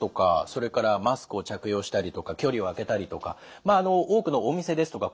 それからマスクを着用したりとか距離をあけたりとかまああの多くのお店ですとか